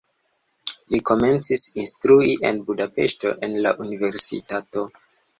Li komencis instrui en Budapeŝto en la universitato.